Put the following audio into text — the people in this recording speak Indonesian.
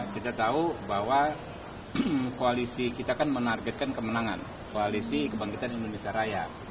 kita tahu bahwa koalisi kita kan menargetkan kemenangan koalisi kebangkitan indonesia raya